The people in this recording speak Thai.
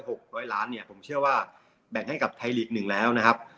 หกร้อยล้านเนี่ยผมเชื่อว่าแบ่งให้กับไทยลีกหนึ่งแล้วนะครับ